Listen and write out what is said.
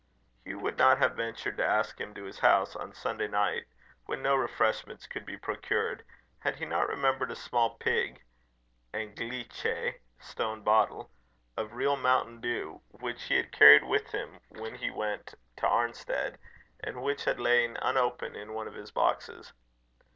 Hugh would not have ventured to ask him to his house on Sunday night, when no refreshments could be procured, had he not remembered a small pig (Anglice stone bottle) of real mountain dew, which he had carried with him when he went to Arnstead, and which had lain unopened in one of his boxes.